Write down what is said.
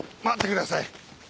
待ってください！